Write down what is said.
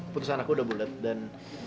putusan aku udah bulat dan